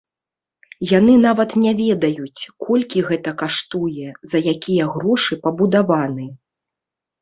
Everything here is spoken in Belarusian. Яны нават не ведаюць, колькі гэта каштуе, за якія грошы пабудаваны.